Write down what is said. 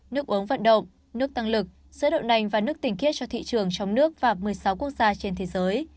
nước uống vận động nước tăng lực sữa đậu nành và nước tình kiết cho thị trường trong nước và một mươi sáu quốc gia trên thế giới